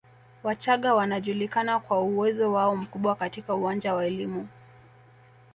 Wachagga wanajulikana kwa uwezo wao mkubwa katika uwanja wa elimu